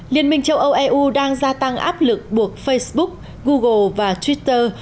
liên minh châu âu eu đang gia tăng áp lực buộc facebook google và twitter